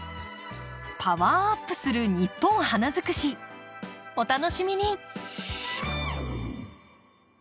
パワーアップする「ニッポン花づくし」お楽しみに！